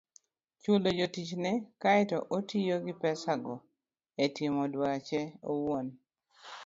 chulo jotichne kae to otiyo gi pesago e timo dwache owuon.